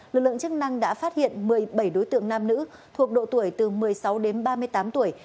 lực lượng chức năng đã phát hiện một mươi bảy đối tượng nam nữ thuộc độ tuổi từ một mươi sáu đến ba mươi tám tuổi